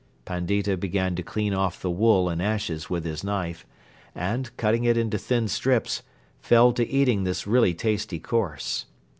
Pandita began to clean off the wool and ashes with his knife and, cutting it into thin strips, fell to eating this really tasty course.